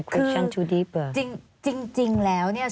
คือจริงแล้วเนี่ย